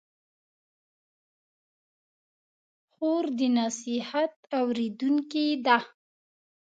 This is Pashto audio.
خور د نصیحت اورېدونکې ده.